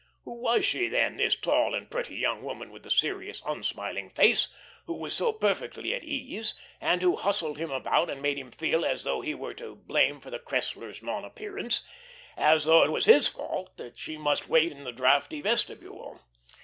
Who was she, then, this tall and pretty young woman, with the serious, unsmiling face, who was so perfectly at ease, and who hustled him about and made him feel as though he were to blame for the Cresslers' non appearance; as though it was his fault that she must wait in the draughty vestibule.